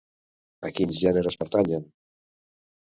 A quins gèneres pertanyen?